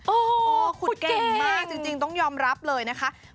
โอ้โหขุดเก่งมากจริงต้องยอมรับเลยนะคะ